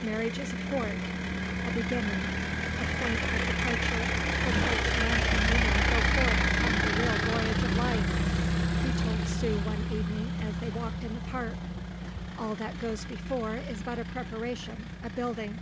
"Marriage is a port, a beginning, a point of departure, from which men and women go forth upon the real voyage of life," he told Sue one evening as they walked in the park. "All that goes before is but a preparation, a building.